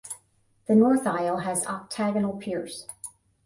The north aisle has octagonal piers.